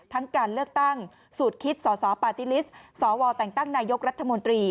ทั้งการเลือกตั้งสูตรคิดสสปาติลิสสวตนายกรัฐมนตรี